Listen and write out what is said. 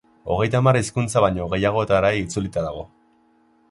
Hogeita hamar hizkuntza baino gehiagotara itzulita dago.